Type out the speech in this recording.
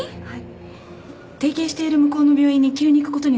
はい。